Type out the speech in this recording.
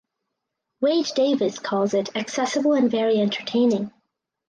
Wade Davis calls it "accessible and very entertaining".